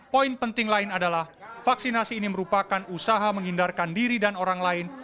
poin penting lain adalah vaksinasi ini merupakan usaha menghindarkan diri dan orang lain